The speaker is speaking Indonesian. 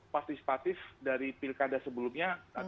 partisipatif dari pilkada sebelumnya